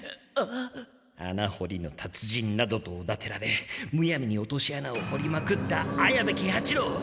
穴ほりの達人などとおだてられむやみにおとし穴をほりまくった綾部喜八郎！